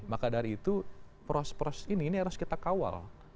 maka dari itu pros pros ini harus kita kawal